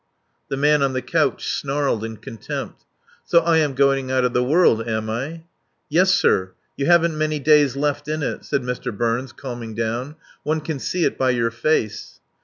The man on the couch snarled in contempt. "So I am going out of the world am I?" "Yes, sir you haven't many days left in it," said Mr. Burns calming down. "One can see it by your face."